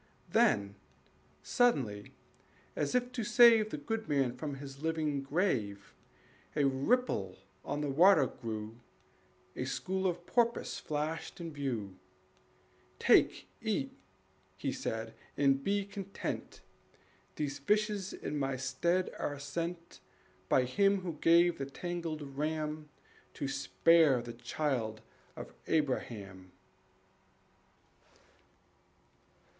Then, suddenly, as if to save The good man from his living grave, A ripple on the water grew, A school of porpoise flashed in view. "Take, eat," he said, "and be content; These fishes in my stead are sent By Him who gave the tangled ram To spare the child of Abraham."